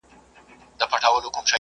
لیکنه د څېړنې مهم مرحله ده.